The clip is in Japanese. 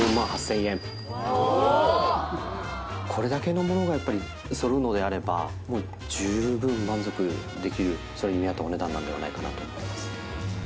これだけのものがやっぱり揃うのであればもう十分満足できるそれに見合ったお値段なんではないかなと思います